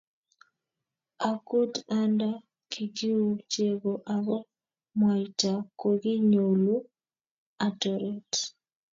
Akut anda kikiu chego ako mwaita kokinyolu atoret.